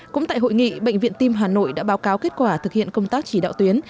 cũng tại hội nghị bệnh viện tim hà nội đã báo cáo kết quả thực hiện công tác chỉ đạo tuyến